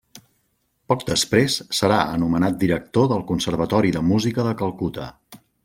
Poc després serà anomenat director del Conservatori de Música de Calcuta.